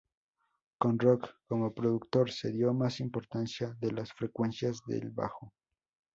Con Rock como productor se dio más importancia a las frecuencias del bajo.